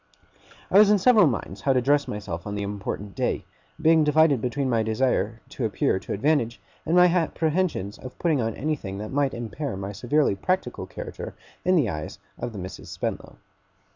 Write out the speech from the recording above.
I was in several minds how to dress myself on the important day; being divided between my desire to appear to advantage, and my apprehensions of putting on anything that might impair my severely practical character in the eyes of the Misses Spenlow.